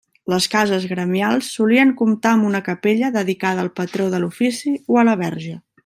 Les cases gremials solien comptar amb una capella dedicada al patró de l'ofici o a la Verge.